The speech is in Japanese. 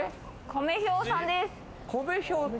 コメ兵さんです。